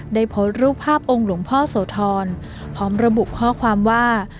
ได้โพสต์รูปภาพองค์หลวงพ่อโสธรพร้อมระบุข้อความว่า